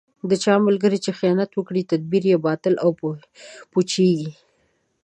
د چا ملګری چې خیانت وکړي، تدبیر یې باطل او پوچېـږي.